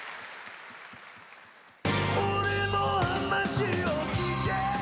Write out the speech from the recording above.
「俺の話を聞け！」